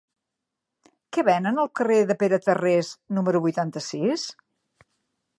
Què venen al carrer de Pere Tarrés número vuitanta-sis?